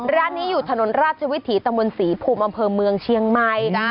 ร้านนี้อยู่ถนนราชวิถีตะมนต์ศรีภูมิอำเภอเมืองเชียงใหม่